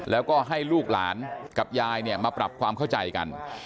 แล้วก็ให้ลูกหลานกับยายเนี่ยมาปรับความเข้าใจกัน